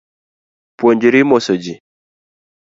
Puojri moso ji